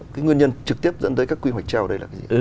cái nguyên nhân trực tiếp dẫn tới các quy hoạch treo đây là cái gì